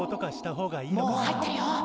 「もう入ってるよ」。